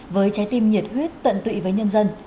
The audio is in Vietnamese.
với trái tim nhiệt huyết tận tụy với nhân dân